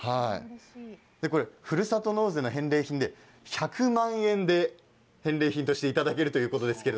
ふるさと納税の返礼品で１００万円で返礼品としていただけるということです。